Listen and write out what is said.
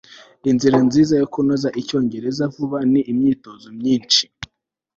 inzira nziza yo kunoza icyongereza vuba ni imyitozo myinshi